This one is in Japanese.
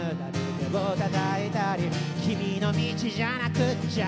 「手を叩いたり君の道じゃなくっちゃ」